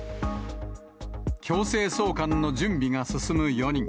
強制送還の準備が進む４人。